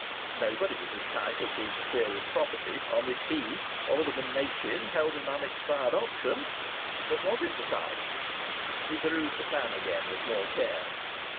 Nobody was entitled to interfere with property on which he, Alderman Machin, held an unexpired option! But was it the site? He perused the plan again with more care.